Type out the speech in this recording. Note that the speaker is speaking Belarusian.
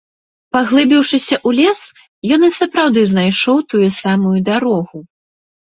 Паглыбіўшыся ў лес, ён і сапраўды знайшоў тую самую дарогу.